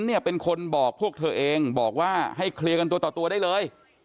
มิ้นเป็นคนบอกพวกเธอเองบอกว่าให้เคลียร์ขนาดตัวได้เลย